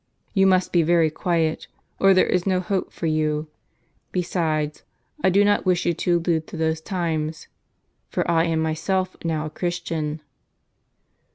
"You must be very quiet, or there is no hope for you. Besides, I do not wish you to allude to those times ; for I am myself now a Christian."